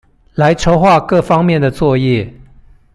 來籌畫各方面的作業